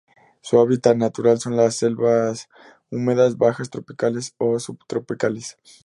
Su hábitat natural son las selvas húmedas bajas tropicales o subtropicales.